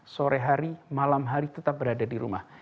sore hari malam hari tetap berada di rumah